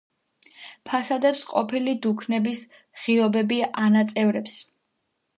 ფასადებს ყოფილი დუქნების ღიობები ანაწევრებს.